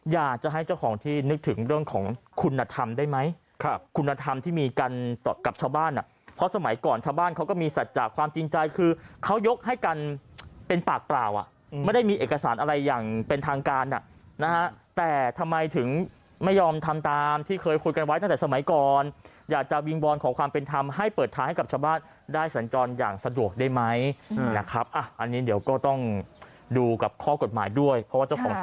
อยากจะให้เจ้าของที่นึกถึงเรื่องของคุณธรรมได้ไหมคุณธรรมที่มีกันกับชาวบ้านเพราะสมัยก่อนชาวบ้านเขาก็มีสัจจากความจริงใจคือเขายกให้กันเป็นปากเปล่าไม่ได้มีเอกสารอะไรอย่างเป็นทางการนะฮะแต่ทำไมถึงไม่ยอมทำตามที่เคยคุยกันไว้ตั้งแต่สมัยก่อนอยากจะวิ่งบอนของความเป็นธรรมให้เปิดทางให้กับชาวบ้าน